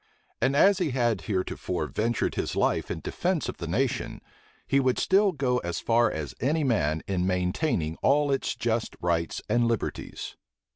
And as he had heretofore ventured his life in defence of the nation, he would still go as far as any man in maintaining all its just rights and liberties.